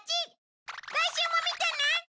来週も見てね！